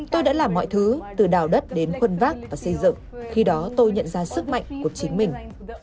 tôi đã làm mọi thứ từ đào đất đến khuân vác và xây dựng khi đó tôi nhận ra sức mạnh của chính mình